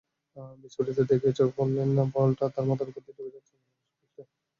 বিস্ফারিত চোখে দেখলেন, বলটা তাঁর মাথার ওপর দিয়ে ঢুকে যাচ্ছে গোলপোস্টে।